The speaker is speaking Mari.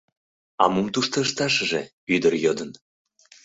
— А мом тушто ышташыже? — ӱдыр йодын.